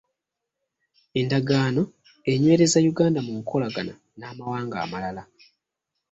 Endagaano enyweereza Uganda mu nkolagana n'amawanga amalala.